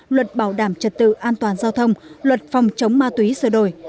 luật bảo đảm trật tự an toàn giao thông luật phòng chống ma túy sửa đổi